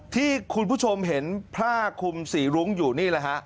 ที่คุณผู้ชมเห็นพระคุมศรีรุ้งอยู่นี่